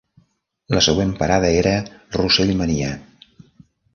La següent parada era Russellmania!